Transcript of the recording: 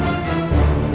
aku akan menang